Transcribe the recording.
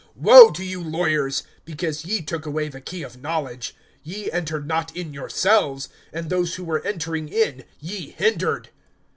(52)Woe to you lawyers! because ye took away the key of knowledge; ye entered not in yourselves, and those who were entering in ye hindered.